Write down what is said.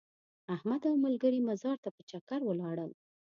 احمد او ملګري مزار ته په چکر ولاړل.